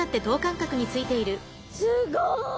すごい！